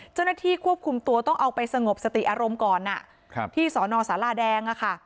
เจ้าหน้าที่ควบคุมตัวต้องเอาไปสงบสติอารมณ์ก่อนที่สนสาราแดงอะค่ะ